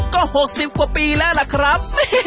ก็หกสิบกว่าปีแล้วล่ะครับ